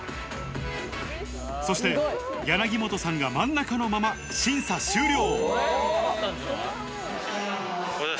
そして柳本さんが真ん中のまま審査終了。